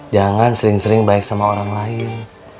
jangan sering sering baik sama orang lain